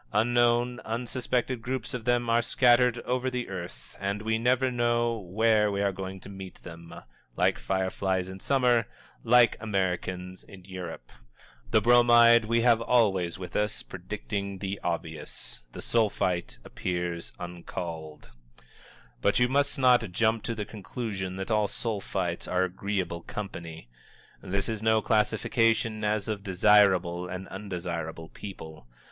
Unknown, unsuspected groups of them are scattered over the earth, and we never know where we are going to meet them like fireflies in Summer, like Americans in Europe. The Bromide we have always with us, predicating the obvious. The Sulphite appears uncalled. But you must not jump to the conclusion that all Sulphites are agreeable company. This is no classification as of desirable and undesirable people.